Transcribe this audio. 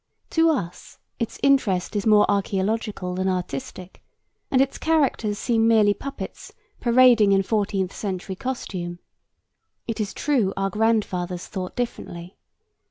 To us its interest is more archaeological than artistic, and its characters seem merely puppets parading in fourteenth century costume. It is true our grandfathers thought differently.